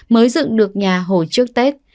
mới dựng được nhà hồi trước tết